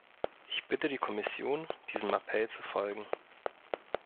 Ich bitte die Kommission, diesem Appell zu folgen!